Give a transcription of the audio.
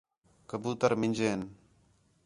کبوتر مینجے ہین